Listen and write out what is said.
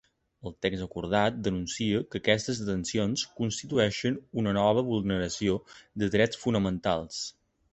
El text acordat denuncia que aquestes detencions constitueixen una nova vulneració de drets fonamentals.